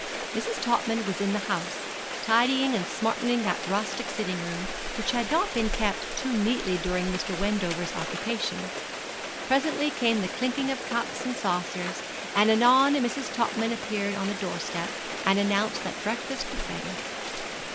Mrs. Topman was in the house, tidying and smartening that rustic sitting room, which had not been kept too neatly during Mr. Wendover's occupation. Presently came the clinking of cups and saucers, and anon Mrs. Topman appeared on the doorstep, and announced that breakfast was ready.